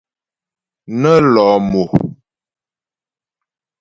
Nə́ lɔ̂ mo.